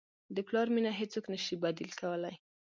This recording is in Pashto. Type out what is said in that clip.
د پلار مینه هیڅوک نه شي بدیل کولی.